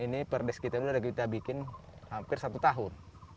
ini perdes kita ini sudah kita bikin hampir satu tahun